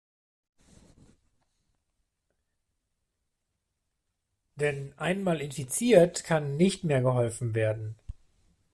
Denn einmal infiziert kann nicht mehr geholfen werden.